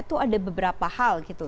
itu ada beberapa hal gitu